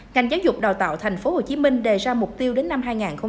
ngành giáo dục đào tạo tp hcm đề ra mục tiêu đến năm hai nghìn hai mươi